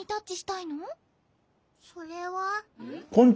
それは。ん？